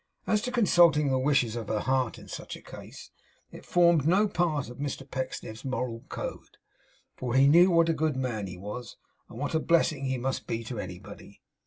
As to consulting the wishes of her heart in such a case, it formed no part of Mr Pecksniff's moral code; for he knew what a good man he was, and what a blessing he must be to anybody.